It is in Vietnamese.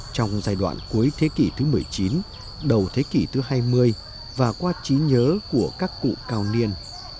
trong giai đoạn cuối thế kỷ thứ một mươi chín đầu thế kỷ thứ hai mươi và qua trí nhớ của các cụ cao niên